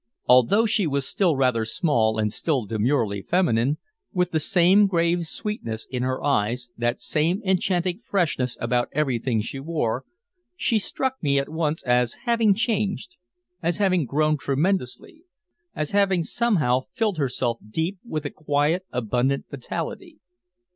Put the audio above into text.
Although she was still rather small and still demurely feminine, with the same grave sweetness in her eyes, that same enchanting freshness about everything she wore, she struck me at once as having changed, as having grown tremendously, as having somehow filled herself deep with a quiet abundant vitality.